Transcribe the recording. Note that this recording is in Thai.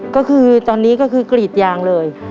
ก็คือตอนนี้ก็คือกรีดยางเลย